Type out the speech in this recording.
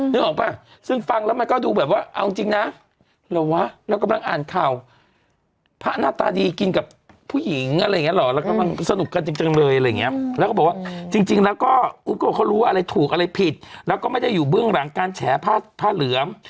ก็เขารู้ว่าอะไรถูกอะไรผิดแล้วก็ไม่ได้อยู่เบื้องหลังการแฉพ่าเหลือม